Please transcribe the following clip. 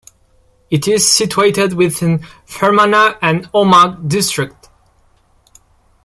It is situated within Fermanagh and Omagh district.